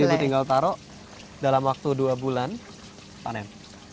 jadi itu tinggal taro dalam waktu dua bulan panen